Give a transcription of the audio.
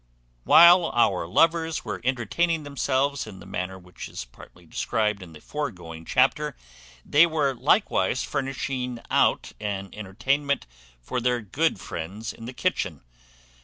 While our lovers were entertaining themselves in the manner which is partly described in the foregoing chapter, they were likewise furnishing out an entertainment for their good friends in the kitchen.